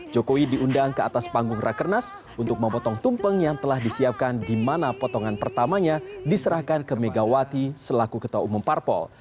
jokowi diundang ke atas panggung rakernas untuk memotong tumpeng yang telah disiapkan di mana potongan pertamanya diserahkan ke megawati selaku ketua umum parpol